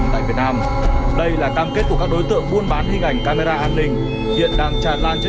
tại việt nam đây là cam kết của các đối tượng buôn bán hình ảnh camera an ninh hiện đang tràn lan trên